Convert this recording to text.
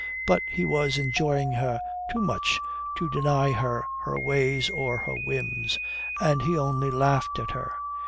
But he was enjoying her too much to deny her her ways or her whims, and he only laughed at her.